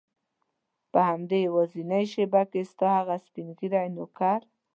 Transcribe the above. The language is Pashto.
په همدې یوازینۍ شېبه کې ستا هغه سپین ږیری نوکر.